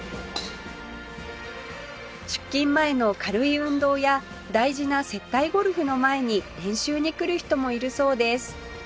出勤前の軽い運動や大事な接待ゴルフの前に練習に来る人もいるそうです